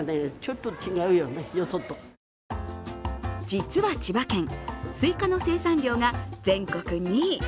実は千葉県、すいかの生産量が全国２位。